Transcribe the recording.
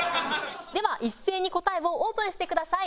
では一斉に答えをオープンしてください。